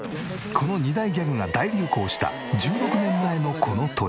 この２大ギャグが大流行した１６年前のこの年。